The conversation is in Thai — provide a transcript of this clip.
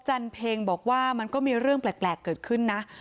จันเพ็งบอกว่ามันก็มีเรื่องแปลกเกิดขึ้นนะ